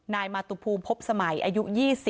นายมาตุภูมิพบสมัยอายุ๒๐